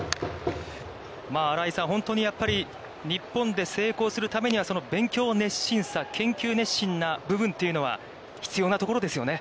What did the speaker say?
新井さん、本当にやっぱり日本で成功するためには、勉強を熱心さ、研究熱心な部分というのは必要なところですよね。